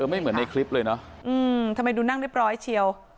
ไม่เหมือนในคลิปเลยเนอะทำไมดูนั่งเรียบร้อยเชียว